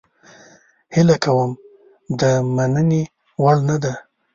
هیله کوم د مننې وړ نه ده.